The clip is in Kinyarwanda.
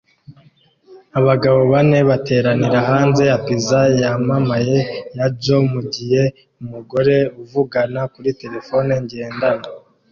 Abagabo bane bateranira hanze ya Pizza Yamamaye ya Joe mugihe umugore uvugana kuri terefone ngendanwa